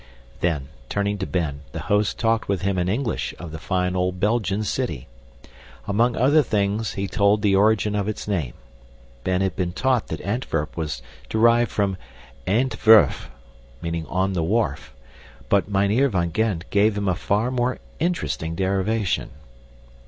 Then, turning to Ben, the host talked with him in English of the fine old Belgian city. Among other things he told the origin of its name. Ben had been taught that Antwerp was derived from ae'nt werf (on the wharf), but Mynheer van Gend gave him a far more interesting derivation.